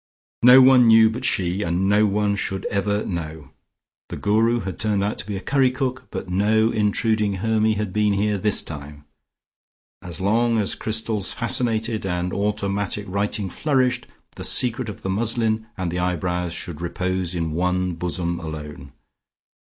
No one knew but she, and no one should ever know. The Guru had turned out to be a curry cook, but no intruding Hermy had been here this time. As long as crystals fascinated and automatic writing flourished, the secret of the muslin and the eyebrows should repose in one bosom alone.